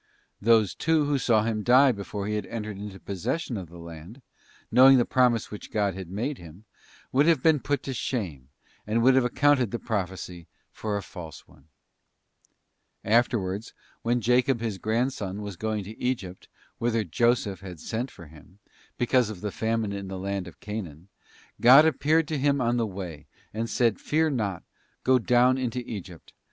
Those, too, who saw him die before he had entered into possession of the land, knowing the promise which God had made him, would have been put to shame, and would have accounted the prophecy for a false one. Afterwards, when Jacob his grandson was going to Egypt, whither Joseph had sent for him, because of the famine in the land of Chanaan, God appeared to him on the way, and said, ' Fear not, go down into Egypt.